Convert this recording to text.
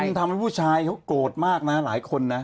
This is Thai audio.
ทำให้ผู้ชายเขาโกรธมากนะหลายคนนะ